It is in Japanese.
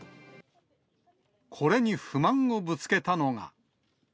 これに不満をぶつけたのが。